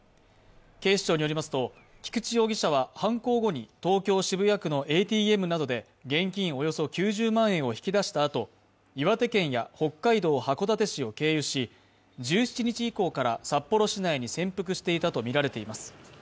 警視庁によりますと菊池容疑者は犯行後に東京・渋谷区のＡＴＭなどで現金およそ９０万円を引き出したあと、岩手県や北海道函館市を経由し１７日以降から、札幌市内に潜伏していたとみられています。